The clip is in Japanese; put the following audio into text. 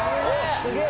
すげえ！